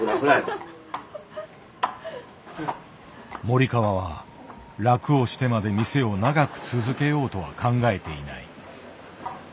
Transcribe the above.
森川は楽をしてまで店を長く続けようとは考えていない。